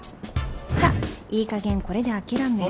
さっいいかげんこれで諦め